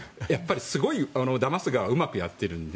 すごい、だます側はうまくやってるので。